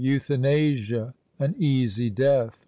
Euthanasia_! an easy death!